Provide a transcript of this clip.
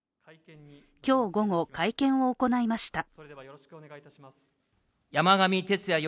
今日午後、会見を行いました。